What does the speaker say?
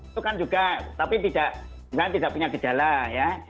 itu kan juga tapi tidak punya gejala ya